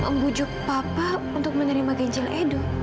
membujuk papa untuk menerima ganjil edo